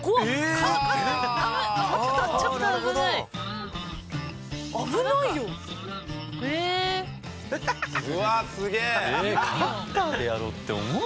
カッターでやろうって思う？